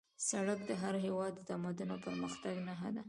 سړک د هر هېواد د تمدن او پرمختګ نښه ده